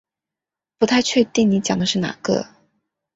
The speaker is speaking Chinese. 不太确定你讲的是哪个